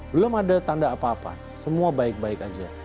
belum ada tanda apa apa semua baik baik saja